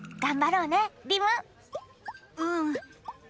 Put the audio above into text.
うん。